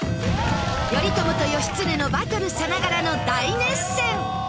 頼朝と義経のバトルさながらの大熱戦！